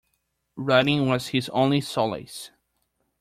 Writing was his only solace